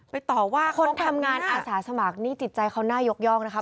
ต่อว่าคนทำงานอาสาสมัครนี่จิตใจเขาน่ายกย่องนะคะ